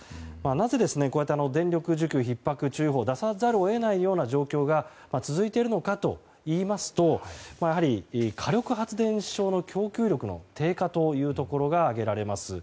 なぜ電力需給ひっ迫注意報を出さざるを得ない状況が続いているのかというとやはり火力発電所の供給力の低下が挙げられます。